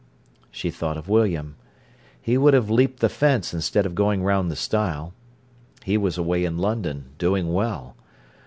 She thought of William. He would have leaped the fence instead of going round the stile. He was away in London, doing well.